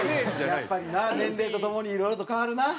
やっぱりな年齢とともにいろいろと変わるなあ。